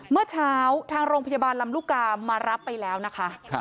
เมื่อเช้าทางโรงพยาบาลลำลูกกามารับไปแล้วนะคะ